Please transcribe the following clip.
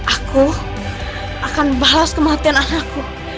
aku akan balas kematian anakku